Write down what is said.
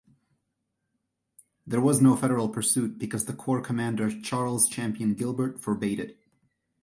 There was no Federal pursuit because the corps commander Charles Champion Gilbert forbade it.